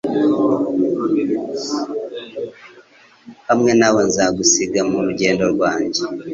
hamwe na we nzagusiga mu rugendo rwanjye